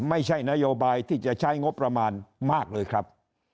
ไม่ใช่นโยบายที่จะใช้งบประมาณมากเลยครับ